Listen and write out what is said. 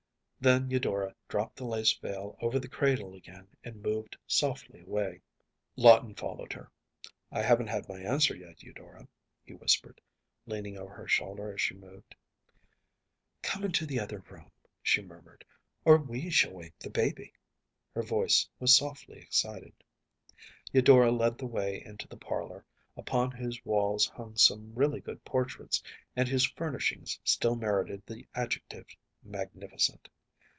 Then Eudora dropped the lace veil over the cradle again and moved softly away. Lawton followed her. “I haven’t my answer yet, Eudora,‚ÄĚ he whispered, leaning over her shoulder as she moved. “Come into the other room,‚ÄĚ she murmured, “or we shall wake the baby.‚ÄĚ Her voice was softly excited. Eudora led the way into the parlor, upon whose walls hung some really good portraits and whose furnishings still merited the adjective magnificent.